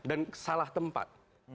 dan salah tempat